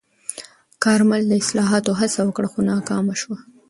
کارمل د اصلاحاتو هڅه وکړه، خو ناکامه شوه.